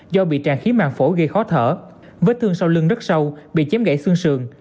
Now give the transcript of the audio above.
do bị tràn khí mạng phổ gây khó thở vết thương sau lưng rất sâu bị chém gãy xương sườn